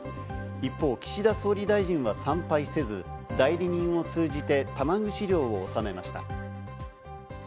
一方、岸田総理大臣は参拝せず、代理人を通じて玉串料を納めました。